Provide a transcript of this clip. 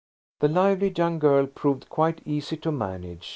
The lively young girl proved quite easy to manage.